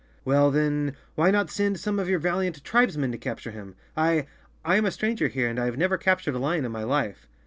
"Well then, why not send some of your valiant tribes¬ men to capture him? I, I am a stranger here and have never captured a lion in my life."